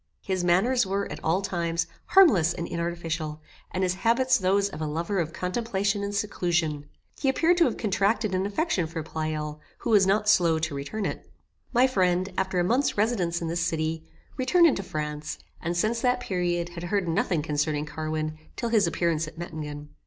His manners were, at all times, harmless and inartificial, and his habits those of a lover of contemplation and seclusion. He appeared to have contracted an affection for Pleyel, who was not slow to return it. My friend, after a month's residence in this city, returned into France, and, since that period, had heard nothing concerning Carwin till his appearance at Mettingen.